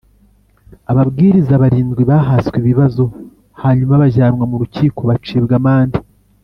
Ababwiriza barindwi bahaswe ibibazo hanyuma bajyanwa mu rukiko bacibwa amande